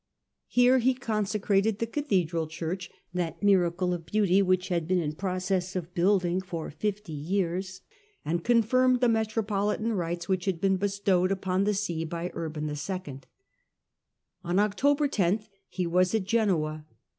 Here he consecrated the cathedral church — that miracle of beauty which had been in process of building for fifty years — and confirmed the metropolitan rights which had been bestowed upon the see by Urban 11. On October 10 he was at Genoa.